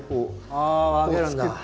あ分けるんだ。